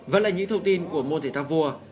vẫn là những thông tin của mô thể thăng vua